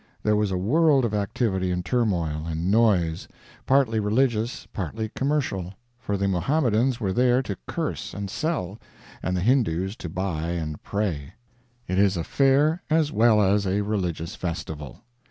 There was a world of activity and turmoil and noise, partly religious, partly commercial; for the Mohammedans were there to curse and sell, and the Hindoos to buy and pray. It is a fair as well as a religious festival.